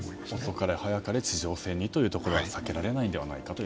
遅かれ早かれ地上戦は避けられないのではないかと。